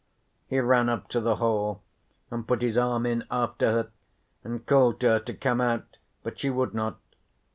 He ran up to the hole, and put his arm in after her and called to her to come out, but she would not.